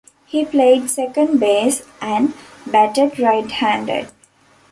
He played second base and batted right-handed.